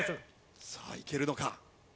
さあいけるのか？